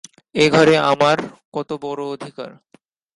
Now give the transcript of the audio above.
এ ঘরে আমার কত বড়ো অধিকার!